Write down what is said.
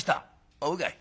「そうかい。